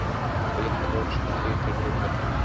এটি করবার রহস্য হচ্ছে ঈর্ষার অভাব।